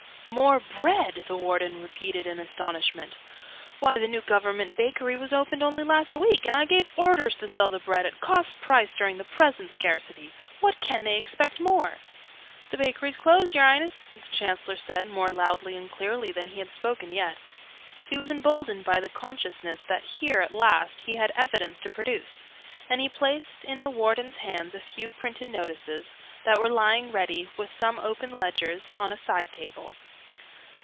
"More bread!" the Warden repeated in astonishment. "Why, the new Government Bakery was opened only last week, and I gave orders to sell the bread at cost price during the present scarcity! What can they expect more?" "The Bakery's closed, y'reince!" the Chancellor said, more loudly and clearly than he had spoken yet. He was emboldened by the consciousness that here, at least, he had evidence to produce: and he placed in the Warden's hands a few printed notices, that were lying ready, with some open ledgers, on a side table.